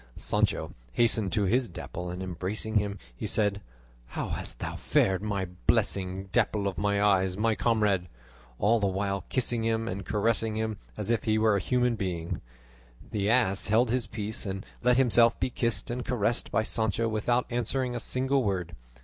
Sancho hastened to his Dapple, and embracing him he said, "How hast thou fared, my blessing, Dapple of my eyes, my comrade?" all the while kissing him and caressing him as if he were a human being. The ass held his peace, and let himself be kissed and caressed by Sancho without answering a single word.